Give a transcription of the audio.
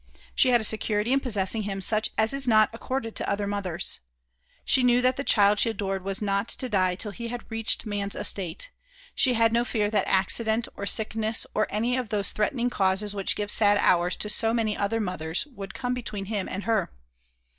She had a security in possessing him such as is not accorded to other mothers. She knew that the child she adored was not to die till he had reached man's estate she had no fear that accident, or sickness, or any of those threatening causes which give sad hours to so many other mothers, would come between him and her.